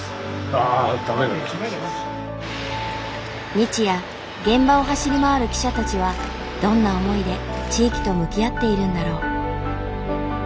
日夜現場を走り回る記者たちはどんな思いで地域と向き合っているんだろう。